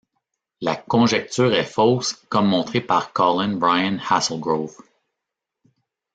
La conjecture est fausse comme montré par Colin Brian Haselgrove.